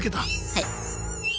はい。